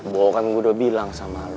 bahwa kan gue udah bilang sama lo